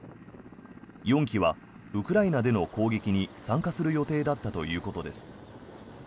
４機はウクライナでの攻撃に参加する予定だったということです。